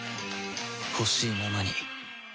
ほしいままに